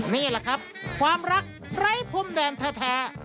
นี่แหละครับความรักไร้พรมแดนแท้